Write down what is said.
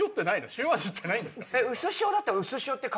塩味ってないんですか？